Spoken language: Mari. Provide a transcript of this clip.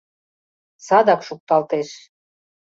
— Садак шукталтеш!